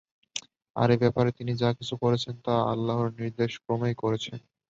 আর এ ব্যাপারে তিনি যা কিছু করেছেন তা আল্লাহর নির্দেশক্রমেই করেছেন।